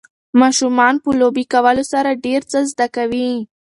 ماشومان په لوبې کولو سره ډېر څه زده کوي.